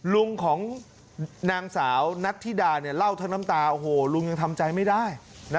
ลุงของนางสาวนัทธิดาเล่าทั้งน้ำตาโอ้โหลุงยังทำใจไม่ได้